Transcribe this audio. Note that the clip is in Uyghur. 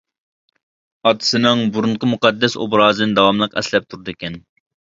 ئاتىسىنىڭ بۇرۇنقى مۇقەددەس ئوبرازىنى داۋاملىق ئەسلەپ تۇرىدىكەن.